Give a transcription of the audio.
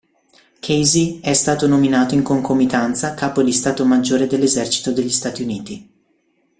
Casey è stato nominato in concomitanza Capo di Stato Maggiore dell'Esercito degli Stati Uniti.